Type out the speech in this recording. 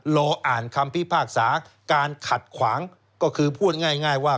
รออ่านคำพิพากษาการขัดขวางก็คือพูดง่ายว่า